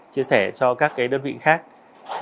chia sẻ cho các đơn vị khác